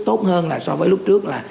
tốt hơn so với lúc trước là